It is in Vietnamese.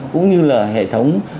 cũng như là hệ thống